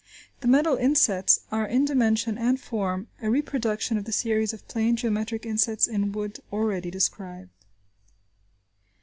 The metal insets are in dimension and form a reproduction of the series of plane geometric insets in wood already described.